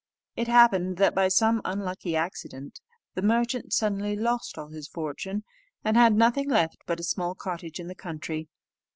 It happened that, by some unlucky accident, the merchant suddenly lost all his fortune, and had nothing left but a small cottage in the country.